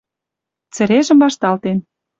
Цӹрежӹм вашталтен